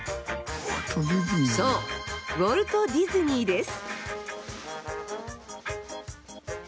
そうウォルト・ディズニーです。